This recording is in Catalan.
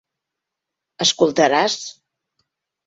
Escoltaràs?